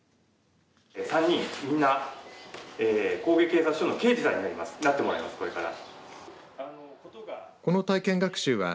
３人、みんな警察署の刑事さんになってもらいます、これから。